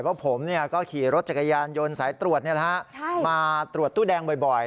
เพราะผมก็ขี่รถจักรยานยนต์สายตรวจมาตรวจตู้แดงบ่อย